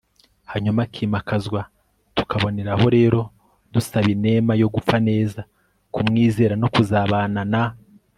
hanyuma akimakazwa, tukaboneraho rero dusaba inema yo gupfa neza, kumwizera no kuzabana na